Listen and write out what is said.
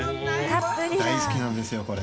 大好きなんですよこれ。